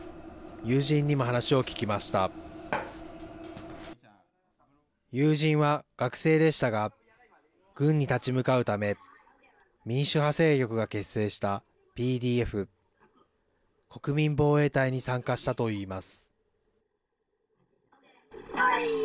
友人は学生でしたが軍に立ち向かうため民主派勢力が結成したＰＤＦ＝国民防衛隊に参加したと言います。